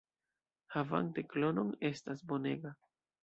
Havante klonon estas bonega!